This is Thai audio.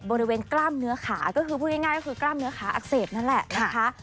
บริเวณกล้ามเนื้อขาก็คือกล้ามเนื้อขาอักเสบนั่นแหละ